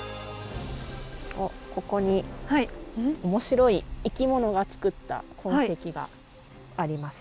ここに面白い生き物が作った痕跡がありますね。